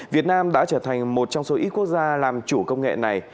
việt nam đã trở thành một trong số ít quốc gia làm chủ công nghệ này